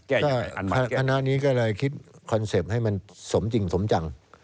ก็คณะนี้ก็เลยคิดคอนเซ็ปต์ให้มันสมจริงสมจัง